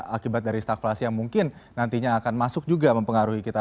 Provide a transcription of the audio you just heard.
akibat dari stakflasi yang mungkin nantinya akan masuk juga mempengaruhi kita